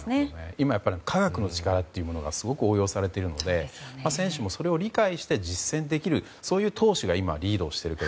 今、科学の力がすごく応用されているので選手もそれを理解して実践できるそういう投手がリードをしていると。